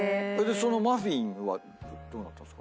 そのマフィンはどうなったんですか？